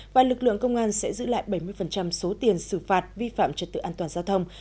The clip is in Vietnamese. và lực lượng công an sẽ giữ lại bảy mươi số tiền xử phạt vi phạm trật tự an toàn giao thông